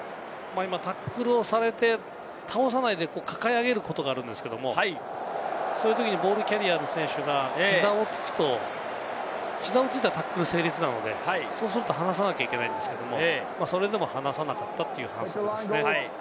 タックルされて倒さないで抱え上げる事があるんですけれども、そういうときにボールキャリアーの選手が膝をつくと膝をついたらタックル成立なので、そうすると離さなきゃいけないんですけれども、それでも離さなかったという反則ですね。